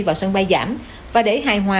vào sân bay giảm và để hài hòa